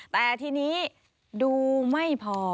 แต่ทีนี้ดูไม่พอ